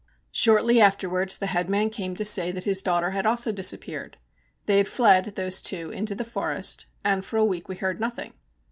Shortly afterwards the headman came to say that his daughter had also disappeared. They had fled, those two, into the forest, and for a week we heard nothing.